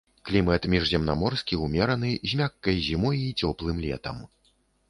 Клімат міжземнаморскі ўмераны з мяккай зімой і цёплым летам.